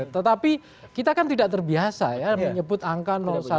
tetapi kita kan tidak terbiasa ya menyebut angka satu